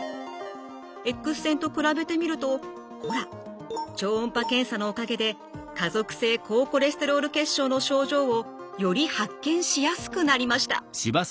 エックス線と比べてみるとほら超音波検査のおかげで家族性高コレステロール血症の症状をより発見しやすくなりました。